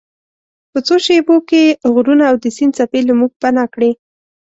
په څو شیبو کې یې غرونه او د سیند څپې له موږ پناه کړې.